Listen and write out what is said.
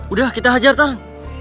udah kita hajar tan